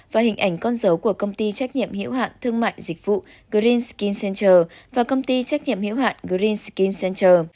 và hình ảnh con dấu của công ty trách nhiệm hữu hạn thương mại dịch vụ green skin center và công ty trách nhiệm hữu hạn green skin center